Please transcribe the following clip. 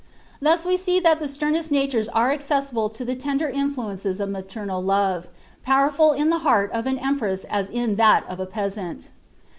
' Thus we see that the •lemest natures are accessible to the tender influences of maternal love, powerful in the heart of an ehipress as in that of a peasant.